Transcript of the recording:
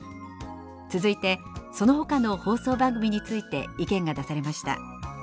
続いてそのほかの放送番組について意見が出されました。